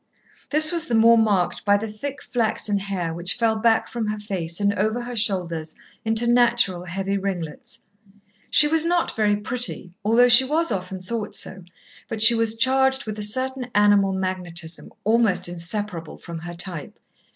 This was the more marked by the thick flaxen hair which fell back from her face, and over her shoulders into natural heavy ringlets. She was not very pretty, although she was often thought so, but she was charged with a certain animal magnetism, almost inseparable from her type.